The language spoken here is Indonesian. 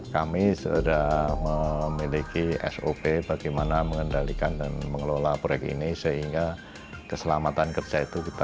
kami sudah memiliki sop bagaimana mengendalikan dan mengelola proyek ini sehingga keselamatan kerja itu kita